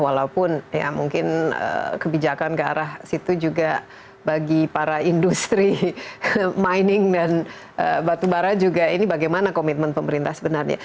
walaupun ya mungkin kebijakan ke arah situ juga bagi para industri mining dan batu bara juga ini bagaimana komitmen pemerintah sebenarnya